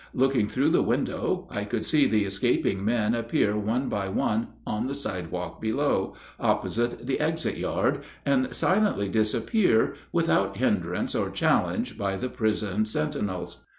Looking through the window, I could see the escaping men appear one by one on the sidewalk below, opposite the exit yard, and silently disappear, without hindrance or challenge by the prison sentinels.